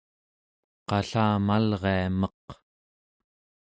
qallamalria meq